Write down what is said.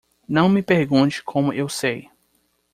Não me pergunte como eu sei.